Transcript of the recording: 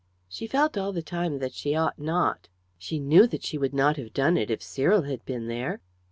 She felt all the time that she ought not; she knew that she would not have done it if Cyril had been there.